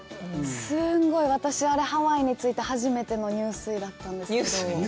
すごい、私、あれハワイに着いて初めての入水だったんですけど。